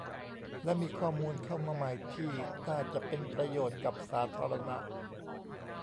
และมีข้อมูลเข้ามาใหม่ที่น่าจะเป็นประโยชน์กับสาธารณะ